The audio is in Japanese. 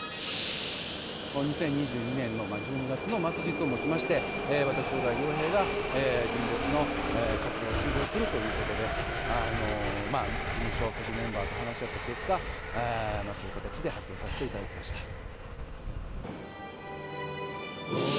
２０２２年の１２月の末日を持ちまして私、小田井涼平が純烈の活動を終了するということで事務所、そしてメンバーと話し合った結果そういう形で発表させていただきました。